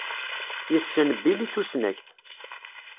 Yessen Bil i tusnakt.